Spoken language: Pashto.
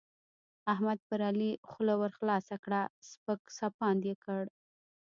احمد پر علي خوله ورخلاصه کړه؛ سپک سپاند يې کړ.